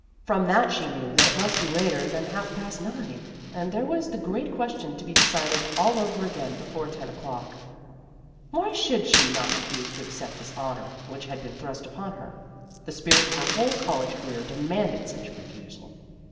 From that she knew that it must be later than half past nine, and there was the great question to be decided all over again before ten o'clock. Why should she not refuse to accept this " honor " which had been thrust upon her? The spirit of her whole college career demanded such a refusal.